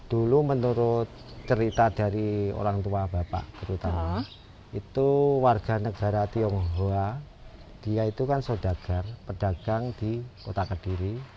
dulu menurut cerita dari orang tua bapak terutama itu warga negara tionghoa dia itu kan saudagar pedagang di kota kediri